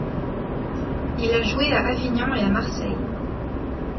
Il a joué à Avignon et à Marseille.